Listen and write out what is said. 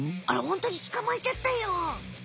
あらホントにつかまえちゃったよ！